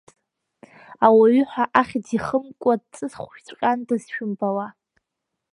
Ауаҩы ҳәа ахьӡ ихымкәа дҵысхәжәҵәҟьандаз шәымбауаз…